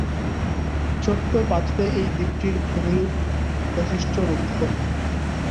ছোট্ট পাথুরে এই দ্বীপটির ভূমিরূপ যথেষ্ট রুক্ষ।